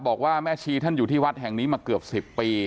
บอกว่าแม่ชีท่านอยู่ที่วัดแห่งนี้มาเกือบ๑๐ปี